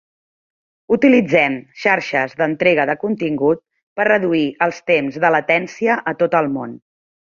Utilitzem xarxes d'entrega de contingut per reduir els temps de latència a tot el món.